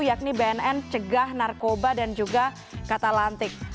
yakni bnn cegah narkoba dan juga kata lantik